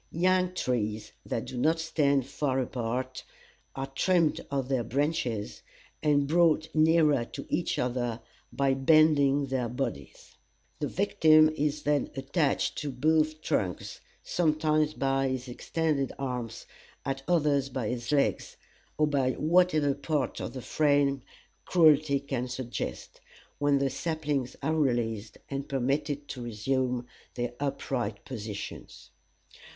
Young trees that do not stand far apart are trimmed of their branches, and brought nearer to each other by bending their bodies; the victim is then attached to both trunks, sometimes by his extended arms, at others by his legs, or by whatever part of the frame cruelty can suggest, when the saplings are released, and permitted to resume their upright positions.